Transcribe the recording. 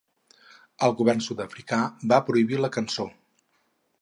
El govern sud-africà va prohibir la cançó.